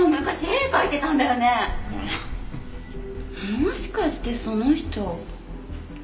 もしかしてその人元カノ？